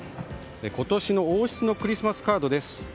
今年の王室のクリスマスカードです。